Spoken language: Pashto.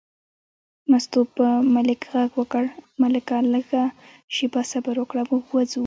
مستو په ملک غږ وکړ: ملکه لږه شېبه صبر وکړه، موږ وځو.